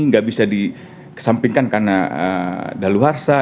gak bisa dikesampingkan karena dahulu harsa